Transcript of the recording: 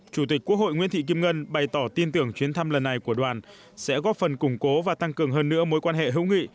chủ tịch quốc hội nguyễn thị kim ngân bày tỏ tin tưởng chuyến thăm lần này của đoàn sẽ góp phần củng cố và tăng cường hơn nữa mối quan hệ hữu nghị